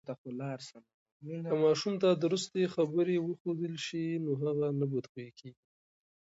که ماشوم ته درستی خبرې وښودل سي، نو هغه نه بد خویه کیږي.